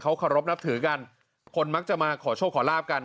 เขาเคารพนับถือกันคนมักจะมาขอโชคขอลาบกัน